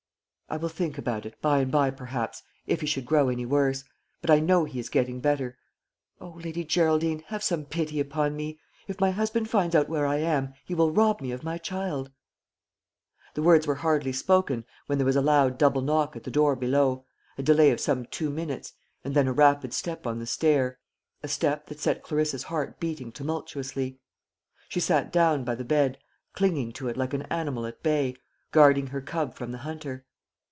"I will think about it, by and by, perhaps, if he should grow any worse; but I know he is getting better. O, Lady Geraldine, have some pity upon me! If my husband finds out where I am, he will rob me of my child." The words were hardly spoken, when there was a loud double knock at the door below, a delay of some two minutes, and then a rapid step on the stair a step that set Clarissa's heart beating tumultuously. She sat down by the bed, clinging to it like an animal at bay, guarding her cub from the hunter.